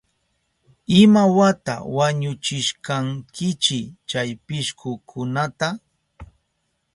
¿Imawata wañuchishkankichi chay pishkukunata?